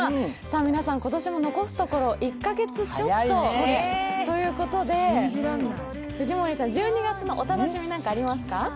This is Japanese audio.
皆さん、１２月も残すところ１カ月ちょっとということで藤森さん、１２月のお楽しみは何かありますか？